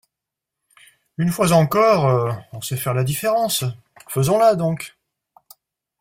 Une fois encore, on sait faire la différence ; faisons-la donc.